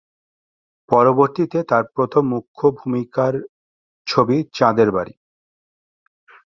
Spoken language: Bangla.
পরবর্তিতে তার প্রথম মুখ্য ভূমিকায় ছবি "চাঁদের বাড়ি"।